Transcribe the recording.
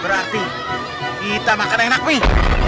berarti kita makan enak nih